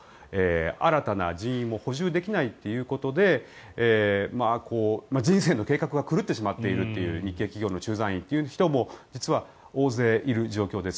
新たな人員も補充できないということで人生の計画が狂ってしまっているという日系企業の駐在員という人も実は大勢いる状況です。